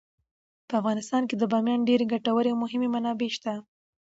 په افغانستان کې د بامیان ډیرې ګټورې او مهمې منابع شته.